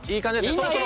そろそろ。